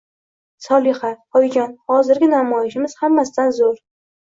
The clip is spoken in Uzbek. Solixa: oyijon hozirgi namoyishimiz hammasidan zur.